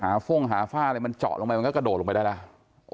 ฟ่องหาฝ้าอะไรมันเจาะลงไปมันก็กระโดดลงไปได้แล้ว